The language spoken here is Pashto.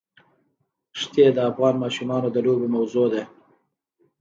ښتې د افغان ماشومانو د لوبو موضوع ده.